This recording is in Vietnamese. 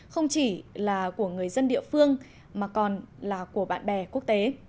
không chỉ là của người dân địa phương mà còn là của bạn bè quốc tế